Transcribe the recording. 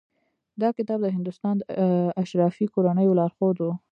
دا کتاب د هندوستان د اشرافي کورنیو لارښود و.